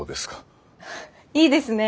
いいですね。